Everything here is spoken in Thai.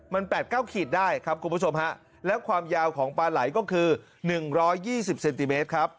มัน๘๙ขีดได้ครับคุณผู้ชมฮะและความยาวของปลาไหลก็คือ๑๒๐เซนติเมตรครับ